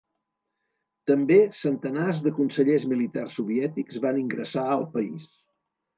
També, centenars de consellers militars soviètics van ingressar al país.